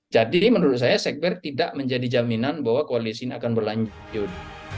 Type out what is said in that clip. jadi menurut saya sekber tidak menjadi jaminan bahwa koalisi ini akan berlanjut